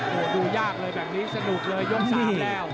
โอ้โหดูยากเลยแบบนี้สนุกเลยยก๓แล้ว